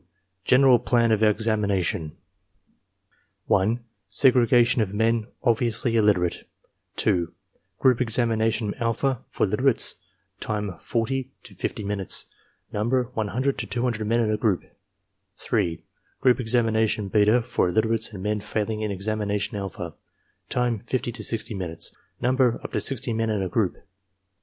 GENERAL PLAN OF EXAMINATION (1) Segregation of men obviously illiterate. (2) Group examination alpha (for literates) : Time, 40 to 50 minutes. Number, 100 to 200 men in a group. (3) Group examination beta (for illiterates and men failing in examination alpha) : Time, 50 to 60 minutes. Number, up to 60 men in a group.